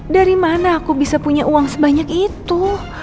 dari mana aku bisa punya uang sebanyak itu